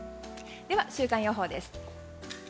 では週間予報です。